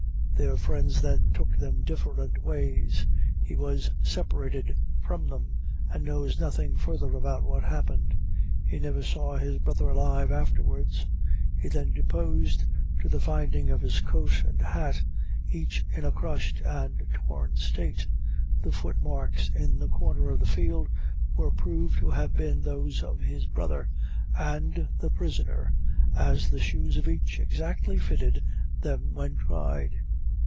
Their friends then took them different ways, he was separated from them, and knows nothing further about what happened. He never saw his brother alive afterwards. He then deposed to the finding of his coat and hat, each in a crushed and torn state. The footmarks in the corner of the field were proved to have been those of his brother and the prisoner, as the shoes of each exactly fitted them when tried.